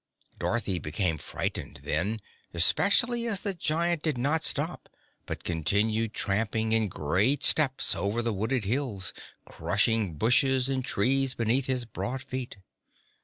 Dorothy became frightened, then, especially as the giant did not stop but continued tramping in great steps over the wooded hills, crushing bushes and trees beneath his broad feet.